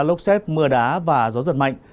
lốc xét mưa đá và gió giật mạnh